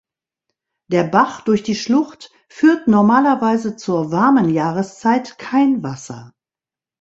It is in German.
Der Bach durch die Schlucht führt normalerweise zur warmen Jahreszeit kein Wasser.